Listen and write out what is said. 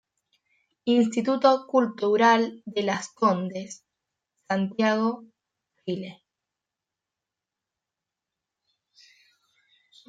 Instituto Cultural de Las Condes, Santiago, Chile.